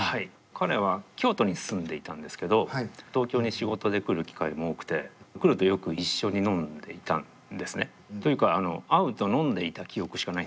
彼は京都に住んでいたんですけど東京に仕事で来る機会も多くて来るとよく一緒に飲んでいたんですね。というか会うと飲んでいた記憶しかないんですけど。